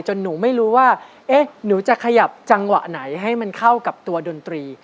หนูไม่รู้ว่าเอ๊ะหนูจะขยับจังหวะไหนให้มันเข้ากับตัวดนตรี